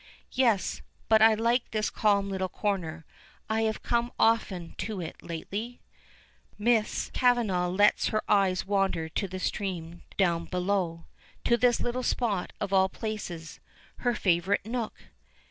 "Yes. But I like this calm little corner. I have come often to it lately." Miss Kavanagh lets her eyes wander to the stream down below. To this little spot of all places! Her favorite nook!